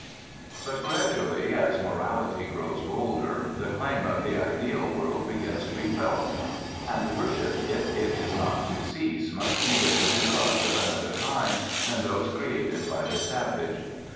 But gradually, as morality grows bolder, the claim of the ideal world begins to be felt; and worship, if it is not to cease, must be given to gods of another kind than those created by the savage.